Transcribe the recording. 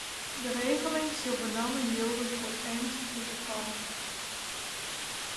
De regeling sil benammen jilde foar earnstige gefallen.